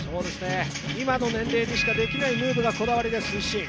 今の年齢でしかできないムーブがこだわりです、ＩＳＳＩＮ。